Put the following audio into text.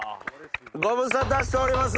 ご無沙汰しております。